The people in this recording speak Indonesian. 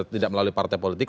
tidak melalui partai politik